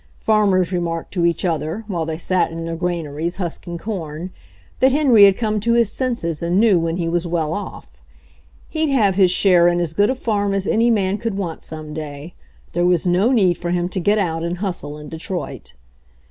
Farmers remarked to each other, while they sat in their granaries husking corn, that Henry had come to his senses and knew when he was well off; he'd have his share in as good a farm as any man could want some day ; there was no need for him to get out and hustle in Detroit.